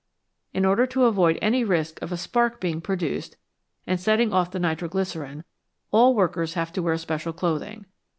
In order to avoid any risk of a spark being produced and setting off the nitro glycerine, all workers have to wear special clothing.